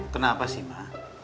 kenapa sih ma